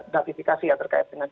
datifikasi yang terkait dengan